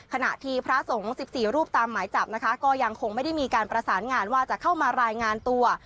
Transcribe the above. ขณะที่พระสงฆ์๑๔รูปตามหมายจับนะคะก็ยังคงไม่ได้มีการประสานงานว่าจะเข้ามารายงานตัว